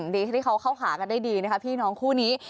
ดีที่เขาเข้าหากันได้ดีนะคะพี่น้องคู่นี้